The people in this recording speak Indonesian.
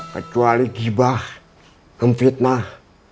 kecuali gibah ngefitnah